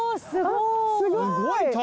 すごーい。